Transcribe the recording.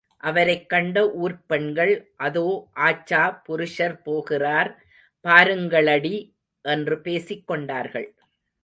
அவரைக் கண்ட ஊர்ப் பெண்கள், அதோ ஆச்சா புருஷர் போகிறார் பாருங்களடி என்று பேசிக் கொண்டார்கள்.